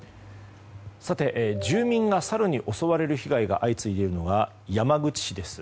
住民がサルに襲われる被害が相次いでいるのが山口市です。